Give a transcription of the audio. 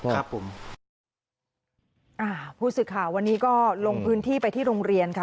ครับผมอ่าผู้สื่อข่าววันนี้ก็ลงพื้นที่ไปที่โรงเรียนค่ะ